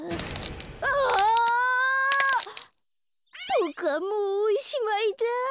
ボクはもうおしまいだ。